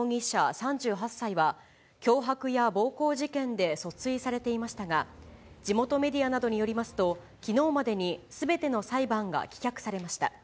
３８歳は、脅迫や暴行事件で訴追されていましたが、地元メディアなどによりますと、きのうまでに、すべての裁判が棄却されました。